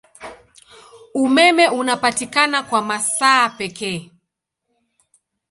Umeme unapatikana kwa masaa pekee.